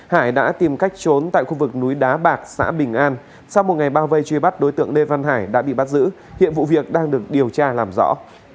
hải đã tìm cách trốn tại khu vực núi đá bạc xã bình an sau một ngày bao vây truy bắt đối tượng lê văn hải đã bị bắt giữ hiện vụ việc đang được điều tra làm rõ